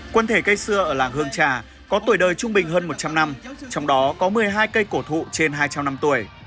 quần thể cây xưa ở làng hương trà có tuổi đời trung bình hơn một trăm linh năm trong đó có một mươi hai cây cổ thụ trên hai trăm linh năm tuổi